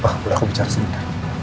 pak boleh aku bicara sedikit